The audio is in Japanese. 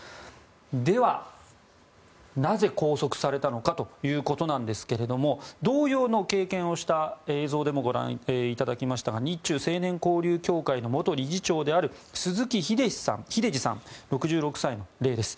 では、なぜ拘束されたのかということなんですけれども同様の経験をした映像でもご覧いただきましたが日中青年交流協会の元理事長である鈴木英司さん、６６歳の例です。